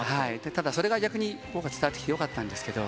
ただ、それが逆に、僕は伝わってきてよかったんですけど。